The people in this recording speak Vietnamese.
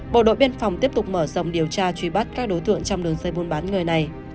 bộ đội biên phòng tiếp tục mở rộng điều tra truy bắt các đối tượng trong đường dây buôn bán người này